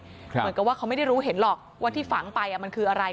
เหมือนกับว่าเขาไม่ได้รู้เห็นหรอกว่าที่ฝังไปมันคืออะไร